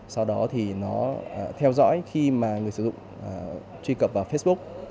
sau đó thì nó theo dõi khi mà người sử dụng truy cập vào facebook